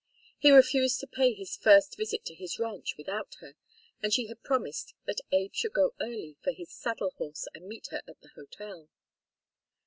He refused to pay his first visit to his ranch without her; and she had promised that Abe should go early for his saddle horse and meet her at the hotel.